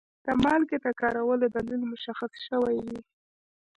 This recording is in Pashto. د مالګې د کارولو دلیل مشخص شوی وي.